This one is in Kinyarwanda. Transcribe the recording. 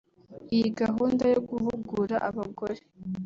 Iyi gahunda yo guhugura abagore